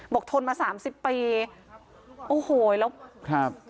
ทนมาสามสิบปีโอ้โหแล้วครับ